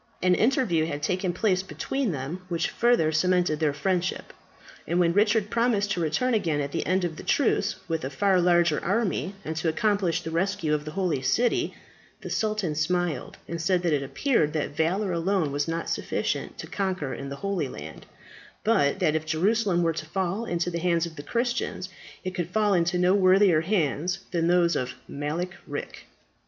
An interview had taken place between them which further cemented their friendship; and when Richard promised to return again at the end of the truce with a far larger army, and to accomplish the rescue of the holy city, the sultan smiled, and said that it appeared that valour alone was not sufficient to conquer in the Holy Land, but that if Jerusalem were to fall into the hands of the Christians, it could fall into no worthier hands than those of Malek Rik.